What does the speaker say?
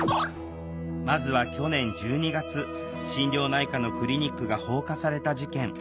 まずは去年１２月心療内科のクリニックが放火された事件。